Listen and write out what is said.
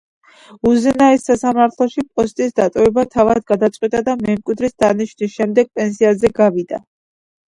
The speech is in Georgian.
უზენაეს სასამართლოში პოსტის დატოვება თავად გადაწყვიტა და მემკვიდრის დანიშვნის შემდეგ პენსიაზე გავიდა.